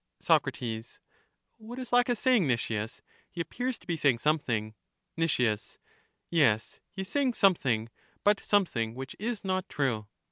Soc, What is Laches saying, Nicias; he appears to be saying something. Nic, Yes, he is saying something, but something which is not true.